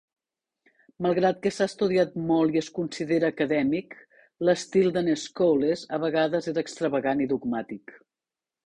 Malgrat que s"ha estudiat molt i es considera acadèmic, l"estil d"en Scholes a vegades era extravagant i dogmàtic.